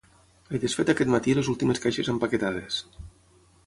He desfet aquest matí les últimes caixes empaquetades.